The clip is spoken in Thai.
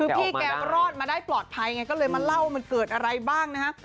คือพี่แกรอดมาได้ปลอดภัยไงก็เลยมาเล่ามันเกิดอะไรบ้างนะฮะ